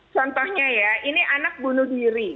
contohnya ya ini anak bunuh diri